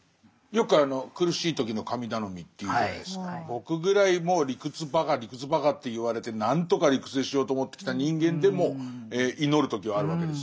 僕ぐらいもう理屈バカ理屈バカと言われて何とか理屈にしようと思ってきた人間でも祈る時はあるわけですよ。